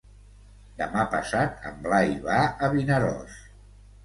Demà passat en Blai va a Vinaròs.